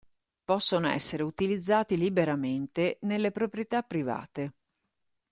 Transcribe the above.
Possono essere utilizzati liberamente nelle proprietà private.